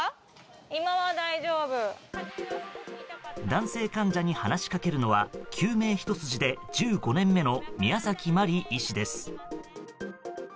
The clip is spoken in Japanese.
男性患者に話しかけるのは救命ひと筋で１５年目の宮崎麻里医師です。